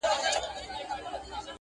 پوره درې مياشتي امير دئ زموږ پېشوا دئ!!